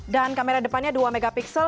dan kamera depannya dua megapiksel